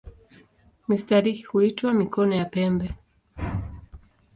Mistari huitwa "mikono" ya pembe.